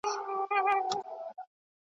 زحمت انسان بریالی کوي.